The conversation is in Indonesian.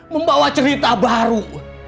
membawa cerita baru